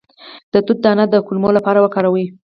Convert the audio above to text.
د توت دانه د کولمو لپاره وکاروئ